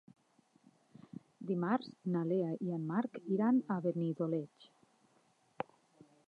Dimarts na Lea i en Marc iran a Benidoleig.